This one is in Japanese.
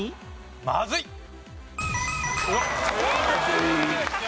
まずい！正解。